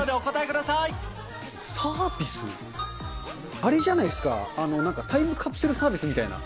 あれじゃないですか、なんか、タイムカプセルサービスみたいな。